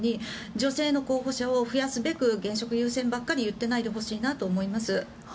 女性の候補者を増やすべく現職優先ばかり言っていないでほしいなと思います。